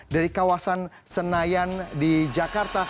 dari kawasan senayan di jakarta